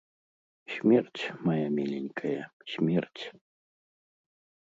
Смерць, мая міленькая, смерць.